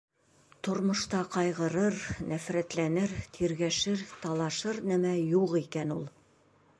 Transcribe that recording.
Тормошта ҡайғырыр, нәфрәтләнер, тиргәшер, талашыр нәмә юҡ икән ул!